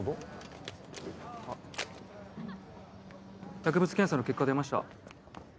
薬物検査の結果出ました。